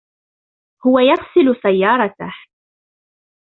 هو يغسل سيارته.